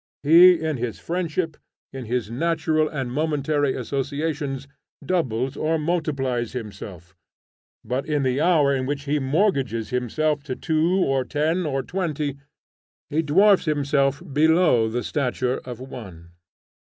He, in his friendship, in his natural and momentary associations, doubles or multiplies himself; but in the hour in which he mortgages himself to two or ten or twenty, he dwarfs himself below the stature of one.